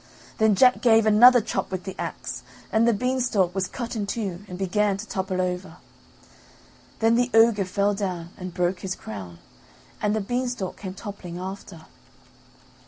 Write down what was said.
Then Jack gave another chop with the axe, and the beanstalk was cut in two and began to topple over. Then the ogre fell down and broke his crown, and the beanstalk came toppling after.